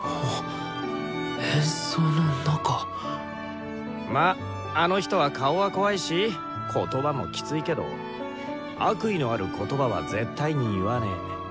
演奏の中まああの人は顔は怖いし言葉もきついけど悪意のある言葉は絶対に言わねぇ。